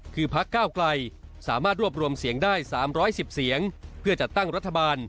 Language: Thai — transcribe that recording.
คือพักก้าวไกลสามารถรวบรวมเสียงได้๓๑๐เสียงเพื่อจัดตั้งรัฐบาล